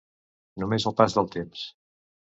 Només el pas del temps.